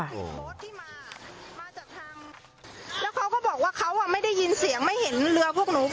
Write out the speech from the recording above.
แล้วเขาก็บอกว่าเขาไม่ได้ยินเสียงไม่เห็นเรือพวกหนู